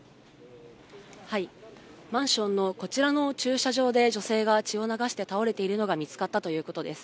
マンションのこちらの駐車場で女性が血を流して倒れているのが見つかったということです。